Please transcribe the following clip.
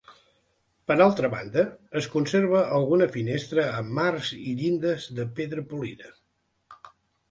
Per altra banda, es conserva alguna finestra amb marcs i llindes de pedra polida.